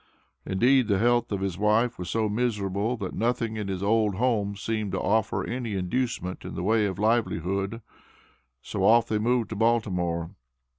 Indeed the health of his wife was so miserable that nothing in his old home seemed to offer any inducement in the way of a livelihood. So off they moved to Baltimore.